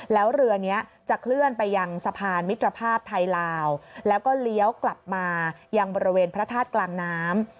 แล้วเรือนี้จะเคลื่อนไปยังสะพานมิตรภาพไทยลาวแล้วก็เลี้ยวกลับมายังบริเวณพระธาตุกลางน้ำ